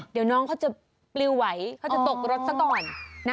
เดี๋ยวน้องเขาจะปลิวไหวเขาจะตกรถซะก่อน